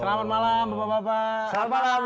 selamat malam bapak bapak selamat malam